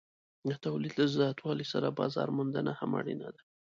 د تولید له زیاتوالي سره بازار موندنه هم اړینه ده.